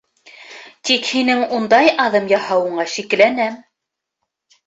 Тик һинең ундай аҙым яһауыңа шикләнәм.